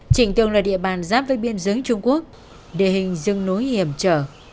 trịnh tường là địa bàn giáp với biên giới trung quốc địa hình rừng núi hiểm trở